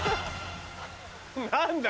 何だ？